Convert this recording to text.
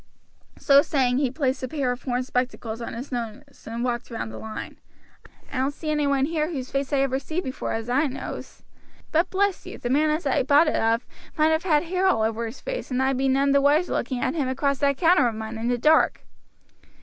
So saying he placed a pair of horn spectacles on his nose and walked round the line. "I don't see any one here whose face I ever see before as far as I knows; but bless you, the man as I bought it of might have had hair all over his face, and I be none the wiser looking at him across that counter of mine in the dark."